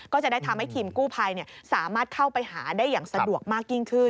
ก็จะได้ทำให้ทีมกู้ภัยสามารถเข้าไปหาได้อย่างสะดวกมากยิ่งขึ้น